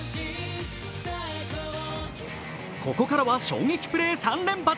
ここからは衝撃プレー３連発。